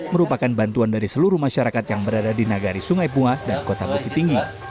merupakan bantuan dari seluruh masyarakat yang berada di nagari sungai bunga dan kota bukit tinggi